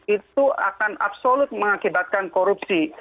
itu akan absolut mengakibatkan korupsi